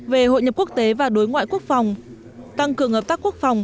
về hội nhập quốc tế và đối ngoại quốc phòng tăng cường hợp tác quốc phòng